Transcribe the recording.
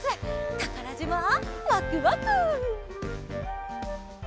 たからじまワクワク！